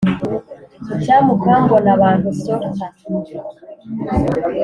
icyampa ukambona abantu sorta